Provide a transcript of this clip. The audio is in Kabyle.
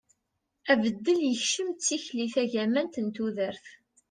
abeddel yekcem deg tikli tagamant n tudert